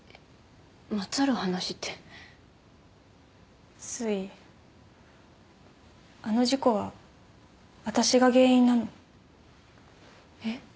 まつわる話ってすいあの事故は私が原因なのえっ？